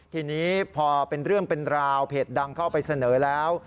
ทีนี้พอเป็นเรื่องเป็นราวเพจดังเข้าไปเสนอแล้ว